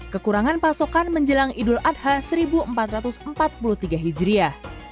kekurangan pasokan menjelang idul adha seribu empat ratus empat puluh tiga hijriah